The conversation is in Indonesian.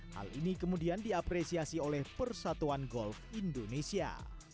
hal ini kemudian diapresiasi oleh persatuan golf indonesia